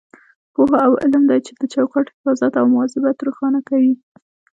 پوهه او علم دی چې د چوکاټ حفاظت او مواظبت روښانه کوي.